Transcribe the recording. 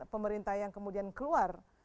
pemerintah yang kemudian keluar